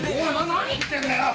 何言ってんだよ！